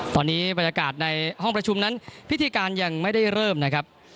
ตอนนี้บรรยากาศในห้องประชุมนั้นพิธีการยังไม่ได้เริ่มนะครับ